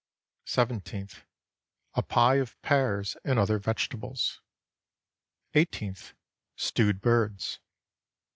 Seventeenth A pie of pears and other vegetables. Eighteenth Stewed birds.